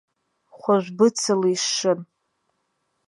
Хәажә быцала ишшын.